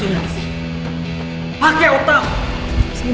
jangan berantem terus